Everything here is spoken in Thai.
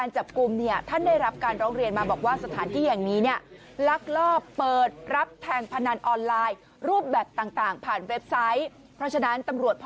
เจียรนดรตสินเป็นผู้บังคับการ